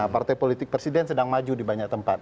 partai politik presiden sedang maju di banyak tempat